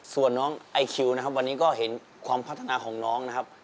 ส่วนน้องไอคิวนะครับวันนี้ก็เห็นความพัฒนาของน้องนะครับ